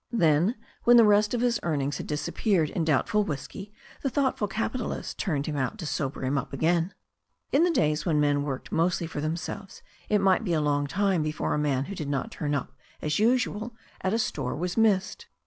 Then when the rest ot Kv% ^"a^rcNr 3l6 THE STORY OF A NEW ZEALAND RIVER ings had disappeared in doubtful whisky the thoughtful cap italist turned him out to sober him up again. In the days when men worked mostly for themselves it might be a long time before a man who did not turn up as usual at a store was missed.